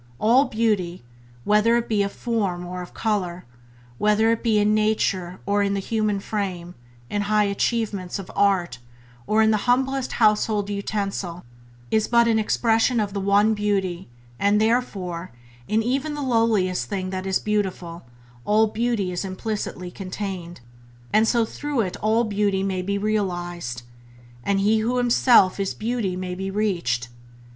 All beauty, whether it be of form or of colour, whether it be in nature or in the human frame, in high achievements of art or in the humblest household utensil, is but an expression of the One Beauty and therefore in even the lowliest thing that is beautiful all beauty is implicitly contained, and so through it all beauty may be realized, and He Who Himself is Beauty may be reached.